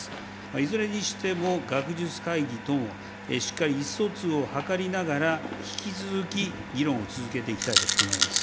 いずれにしても、学術会議ともしっかり意思疎通を図りながら、引き続き議論を続けていきたいと考えます。